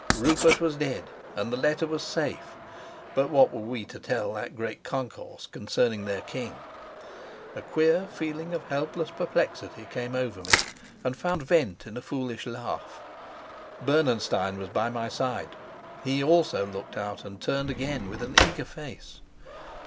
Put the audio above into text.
Rupert was dead and the letter was safe, but what were we to tell that great concourse concerning their king? A queer feeling of helpless perplexity came over me and found vent in a foolish laugh. Bernenstein was by my side; he also looked out, and turned again with an eager face.